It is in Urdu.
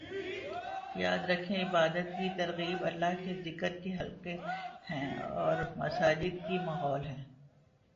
یاد رکھیں عبادت کی تراغیب اللہ کے ذکر کے حلقے ہیں اور مساجد کے ماحول ہیں